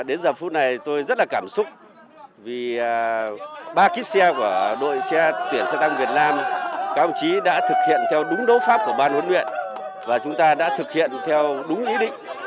đến giờ phút này tôi rất là cảm xúc vì ba kiếp xe của đội tuyển xe tăng việt nam các ông chí đã thực hiện theo đúng đấu pháp của ban huấn luyện và chúng ta đã thực hiện theo đúng ý định